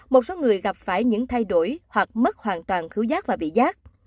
một số người gặp phải những thay đổi hoặc mất hoàn toàn thiếu giác và bị giác